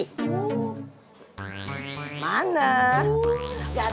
eh ada teko yang asik